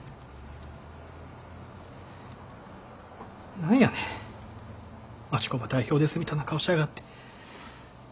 何やねん町工場代表ですみたいな顔しやがって。